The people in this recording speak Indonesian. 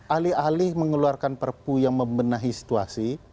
alih alih mengeluarkan perpu yang membenahi situasi